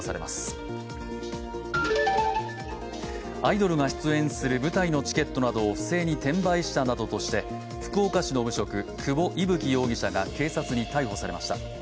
アイドルが出演する舞台のチケットなどを不正に転売したなどとして福岡市の無職久保威吹容疑者が警察に逮捕されました。